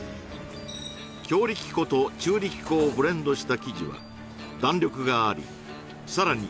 強力粉と中力粉をブレンドした生地は弾力がありさらに